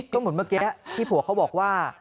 ก็เหมือนเมื่อกี้ที่ผัวเขาบอกว่า